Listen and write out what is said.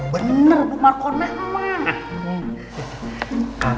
bener bu marco enak emang